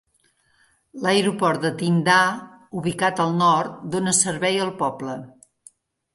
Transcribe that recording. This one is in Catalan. L'aeroport de Tynda, ubicat al nord, dona servei al poble.